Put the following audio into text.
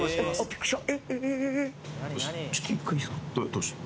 どうした？